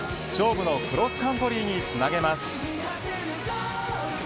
勝負のクロスカントリーにつなげます。